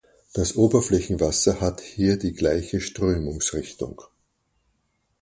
Das Oberflächenwasser hat hier die gleiche Strömungsrichtung.